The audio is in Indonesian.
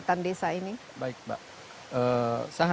dan bisa meningkatkan produktivitas dari air